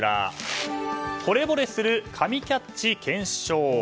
ほれぼれする神キャッチ検証。